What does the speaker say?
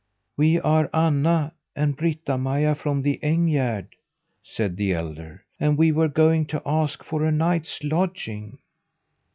"We are Anna and Britta Maja from the Engärd," said the elder, "and we were going to ask for a night's lodging."